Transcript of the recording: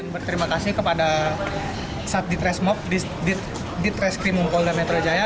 berterima kasih kepada sat ditresmob ditreskrimung polda metro jaya